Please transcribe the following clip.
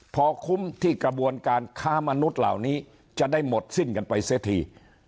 พอคุ้มที่กระบวนการค้ามนุษย์เหล่านี้จะได้หมดสิ้นกันไปเสียที